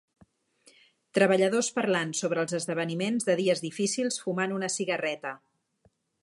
Treballadors parlant sobre els esdeveniments de dies difícils fumant una cigarreta.